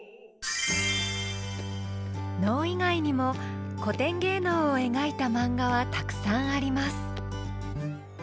能以外にも古典芸能を描いたマンガはたくさんあります